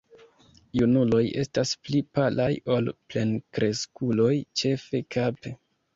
Junuloj estas pli palaj ol plenkreskuloj, ĉefe kape.